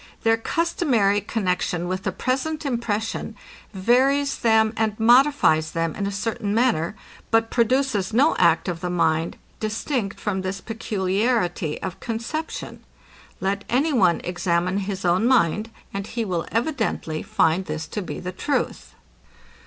Their customary connexion with the present impression, varies them and modifies them in a certain manner, but produces no act of the mind, distinct from this peculiarity of conception. Let any one examine his own mind, and he will evidently find this to be the truth.